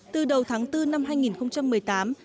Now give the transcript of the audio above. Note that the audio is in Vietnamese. từ đầu tháng bốn năm hai nghìn một mươi tám